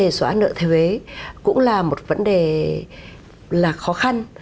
xóa nợ thuế cũng là một vấn đề là khó khăn